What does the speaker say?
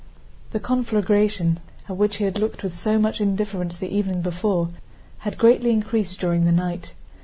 The conflagration, at which he had looked with so much indifference the evening before, had greatly increased during the night.